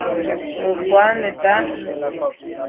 Me kwa’ neta.